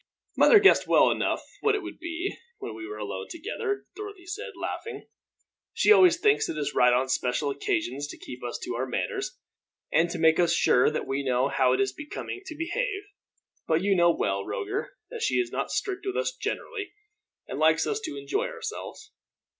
"Mother guessed well enough what it would be, when we were alone together," Dorothy said, laughing. "She always thinks it right on special occasions to keep us to our manners, and to make us sure that we know how it is becoming to behave; but you know well, Roger, that she is not strict with us generally, and likes us to enjoy ourselves.